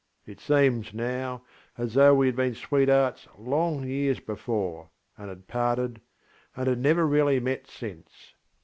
It seems, now, as though we had been sweethearts long years before, and had parted, and had never really met since.